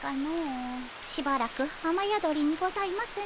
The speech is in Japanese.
しばらく雨宿りにございますねえ。